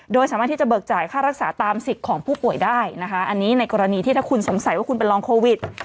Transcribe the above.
โดยสามารถที่จะเบิกจ่ายค่ารักษาตามสิทธิ์ของผู้ป่วยได้นะคะอันนี้ในกรณีที่ถ้าคุณสงสัยว่าคุณเป็นรองโควิด